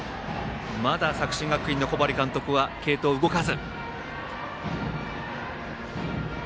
まだ作新学院の小針監督は継投、動かず。